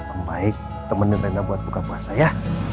om baik temenin rena buat buka puasa ya